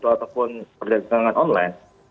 ataupun perdagangan online